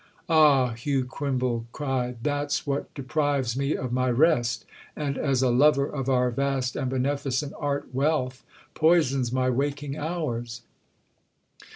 "Ah," Hugh Crimble cried, "that's what deprives me of my rest and, as a lover of our vast and beneficent art wealth, poisons my waking hours.